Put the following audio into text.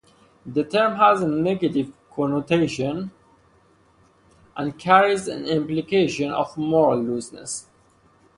The term has a negative connotation and carries an implication of moral looseness.